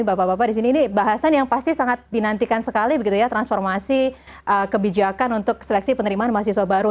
bapak bapak di sini ini bahasan yang pasti sangat dinantikan sekali begitu ya transformasi kebijakan untuk seleksi penerimaan mahasiswa baru